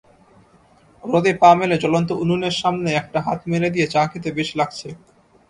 রোদে পা মেলে জ্বলন্ত উনুনের সামনে একটা হাত মেলে দিয়ে চা খেতে বেশ লাগছে।